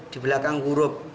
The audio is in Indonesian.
di belakang huruf